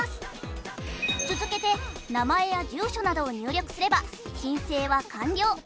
続けて名前や住所などを入力すれば申請は完了。